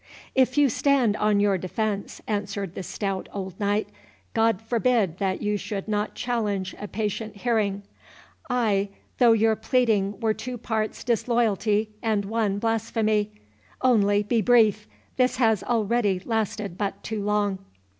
"If you stand on your defence," answered the stout old knight, "God forbid that you should not challenge a patient hearing—ay, though your pleading were two parts disloyalty and one blasphemy—Only, be brief— this has already lasted but too long."